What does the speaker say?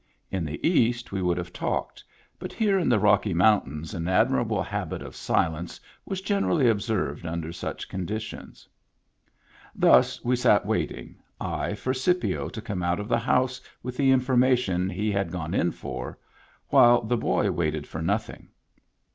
In the East we would have talked, but here in the Rocky Mountains an ad mirable habit of silence was generally observed under such conditions. Thus we sat waiting, I for Scipio to come out of the house with the information he had gone in for, while the boy waited for nothing.